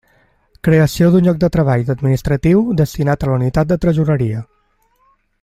Creació d'un lloc de treball d'administratiu destinat a la unitat de Tresoreria.